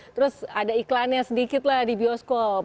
terus ada iklannya sedikit lah di bioskop